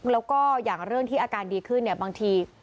แล้วก็อย่างเรื่องที่อาการดีขึ้นเนี่ยบางที